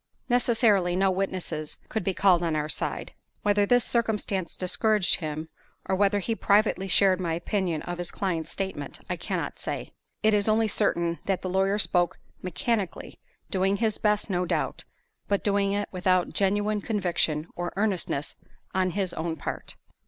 Necessarily, no witnesses could be called on our side. Whether this circumstance discouraged him, or whether he privately shared my opinion of his client's statement, I cannot say. It is only certain that the lawyer spoke mechanically, doing his best, no doubt, but doing it without genuine conviction or earnestness on his own part.